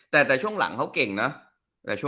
แต่ช่วงหลังเขาเก่งนะ